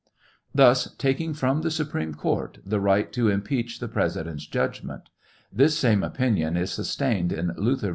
Thus taking from the Supreme Court the right to impeach the President's judg ment. This same opinion is sustained in Luther vg.